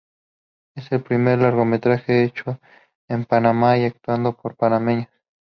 Es el primer largometraje hecho en Panamá y actuado por panameños.